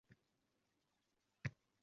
Nimalar deyapsiz